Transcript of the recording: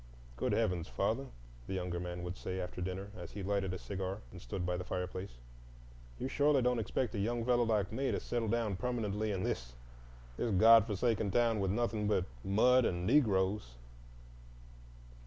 "Good heavens, father," the younger man would say after dinner, as he lighted a cigar and stood by the fireplace, "you surely don't expect a young fellow like me to settle down permanently in this—this God forgotten town with nothing but mud and Negroes?"